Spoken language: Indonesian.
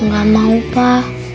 gak mau pak